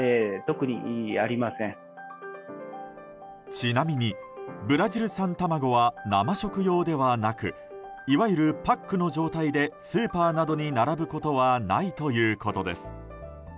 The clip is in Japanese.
ちなみに、ブラジル産卵は生食用ではなくいわゆるパックの状態でスーパーなどに並ぶことはないということです。